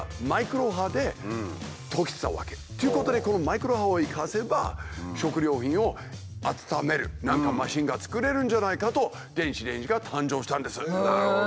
何だろう？とということでこのマイクロ波を生かせば食料品を温める何かマシンが作れるんじゃないかと電子レンジが誕生したんです。